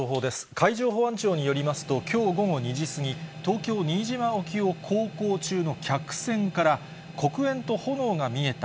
海上保安庁によりますと、きょう午後２時過ぎ、東京・新島沖を航行中の客船から、黒煙と炎が見えた。